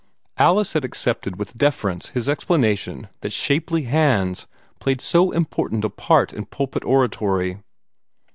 Alice had accepted with deference his explanation that shapely hands played so important a part in pulpit oratory.